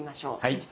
はい。